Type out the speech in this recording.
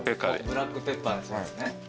ブラックペッパーで。